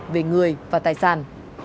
về người và tài sản